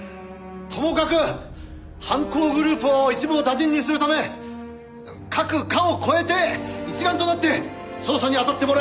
ともかく犯行グループを一網打尽にするため各課を超えて一丸となって捜査にあたってもらいたい。